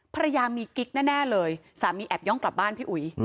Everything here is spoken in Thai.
ภรรยามีกิ๊กแน่เลยสามีแอบย่องกลับบ้านพี่อุ๋ย